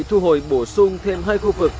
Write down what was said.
thu hồi bổ sung thêm hai khu vực